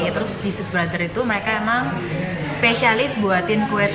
terus di suit brother itu mereka emang spesialis buatin kue